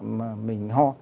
mà mình ho